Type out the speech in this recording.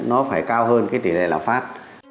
nó phải cao hơn cái tỷ lệ lãm pháp